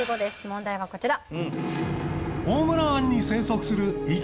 問題はこちら。